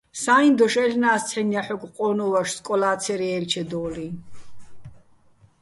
სა́იჼ დოშ აჲლ'ნა́ს ცჰ̦აჲნ ჲაჰ̦ოგო̆ ყო́ნუჼ ვაშ, სკოლა́ ცე́რ ჲე́ჴჩედო́ლიჼ.